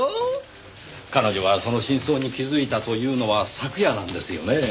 彼女がその真相に気づいたというのは昨夜なんですよねぇ。